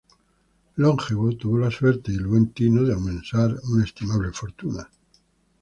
Longevo, tuvo la suerte y el buen tino para amasar una estimable fortuna.